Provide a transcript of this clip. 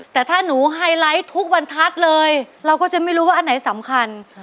แต่ถ้าหนูไฮไลท์ทุกบรรทัศน์เลยเราก็จะไม่รู้ว่าอันไหนสำคัญ